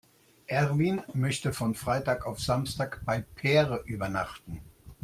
Erwin möchte von Freitag auf Samstag bei Peer übernachten.